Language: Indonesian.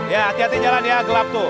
ya hati hati jalan ya gelap tuh